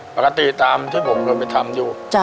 ปกติตามที่ผมก็ไปทำอยู่